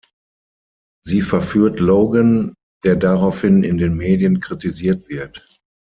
Sie verführt Logan, der daraufhin in den Medien kritisiert wird.